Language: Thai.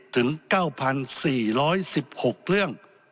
ถึง๙๔๑๖เรื่อง